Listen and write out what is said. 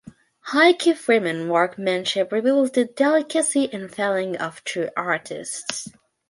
Hickey-Freeman workmanship reveals the delicacy and feeling of true artists.